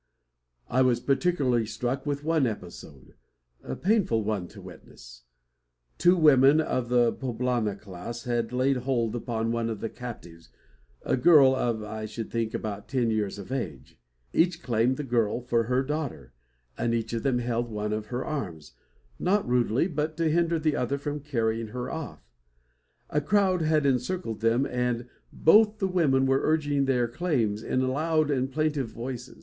I was particularly struck with one episode a painful one to witness. Two women of the poblana class had laid hold upon one of the captives, a girl of, I should think, about ten years of age. Each claimed the girl for her daughter, and each of them held one of her arms, not rudely, but to hinder the other from carrying her off. A crowd had encircled them, and both the women were urging their claims in loud and plaintive voice.